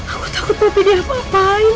aku takut poppy dia apa apain